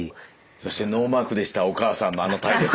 そしてノーマークでしたお母さんのあの体力。